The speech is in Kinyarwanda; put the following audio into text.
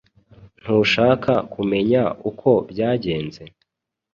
Ntushaka kumenya uko byagenze?